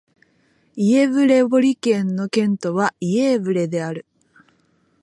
イェヴレボリ県の県都はイェーヴレである